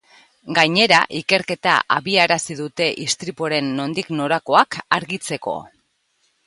Gainera, ikerketa abiarazi dute istripuaren nondik norakoak argitzeko.